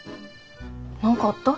何かあった？